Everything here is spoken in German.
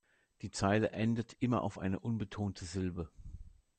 Die Zeile endet immer auf eine unbetonte Silbe.